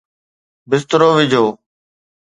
بسترو وجھو